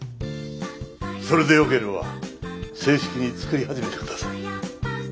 それでよければ正式に作り始めて下さい。